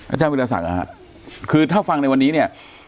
อาจารย์วิทยาศักดิ์คือถ้าฟังในวันนี้เนี่ย